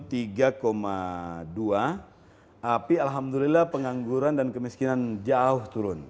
tapi alhamdulillah pengangguran dan kemiskinan jauh turun